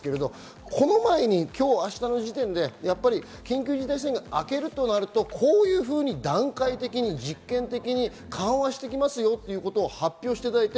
この前に今日、明日時点で緊急事態宣言が明けるとなると、こういうふうに段階的に、実験的に緩和していくということを発表していただいて。